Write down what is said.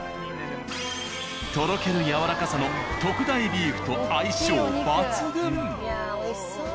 とろけるやわらかさの特大ビーフと相性抜群！